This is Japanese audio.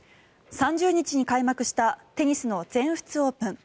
３０日に開幕したテニスの全仏オープン。